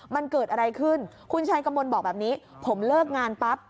มันเกิดอะไรขึ้นคุณชัยกมลบอกแบบนี้ผมเลิกงานปั๊บ